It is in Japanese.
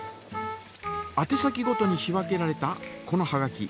あて先ごとに仕分けられたこのはがき。